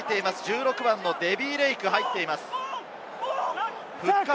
１６番のデヴィ・レイクが入っています。